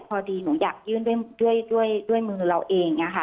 พอดีหนูอยากยื่นด้วยมือเราเอง